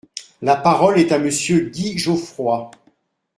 La parole est à Monsieur Guy Geoffroy.